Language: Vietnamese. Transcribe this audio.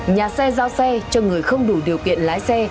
nhà xe giao xe cho người không đủ điều kiện lái xe